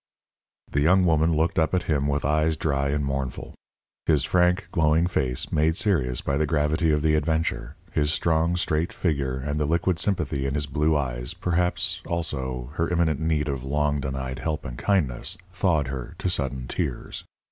The young woman looked up at him with eyes dry and mournful. His frank, glowing face, made serious by the gravity of the adventure, his strong, straight figure and the liquid sympathy in his blue eyes, perhaps, also, her imminent need of long denied help and kindness, thawed her to sudden tears.